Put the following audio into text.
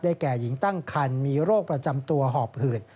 แก่หญิงตั้งคันมีโรคประจำตัวหอบหืด